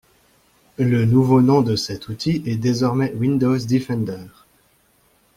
Le nouveau nom de cet outil est désormais Windows Defender.